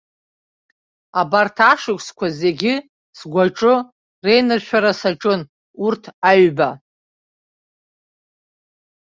Абарҭ ашықәсқәа зегьы сгәаҿы реиныршәара саҿын урҭ аҩба.